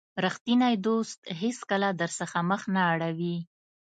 رښتینی دوست هیڅکله درڅخه مخ نه اړوي.